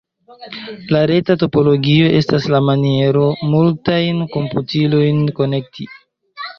La reta topologio estas la maniero, multajn komputilojn konekti.